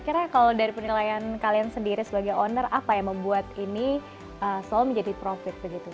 karena kalau dari penilaian kalian sendiri sebagai owner apa yang membuat ini selalu menjadi profit begitu